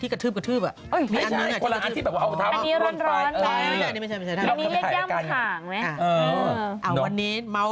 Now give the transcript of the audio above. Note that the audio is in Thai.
ที่เอาเท้าเหยียบอ่ะ